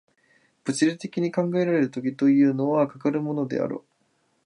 物理的に考えられる時というのは、かかるものであろう。